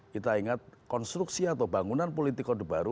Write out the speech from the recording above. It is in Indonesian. kita ingat konstruksi atau bangunan politik orde baru